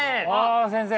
先生！